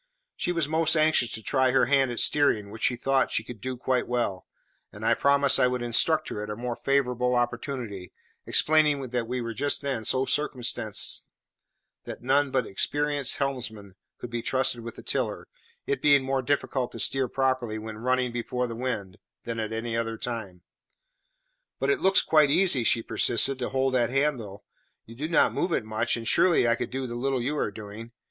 She was most anxious to try her hand at steering, which she thought she could do quite well; and I promised I would instruct her at a more favourable opportunity, explaining that we were just then so circumstanced that none but experienced helmsmen could be trusted with the tiller, it being more difficult to steer properly when running before the wind than at any other time. "But it looks quite easy," she persisted, "to hold that handle. You do not move it much, and surely I could do the little you are doing.